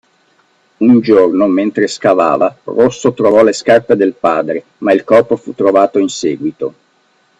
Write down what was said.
Un giorno mentre scavava Rosso trovò le scarpe del padre ma il corpo fu trovato in seguito.